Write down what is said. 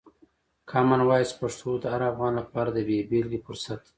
کامن وایس پښتو د هر افغان لپاره د بې بېلګې فرصت دی.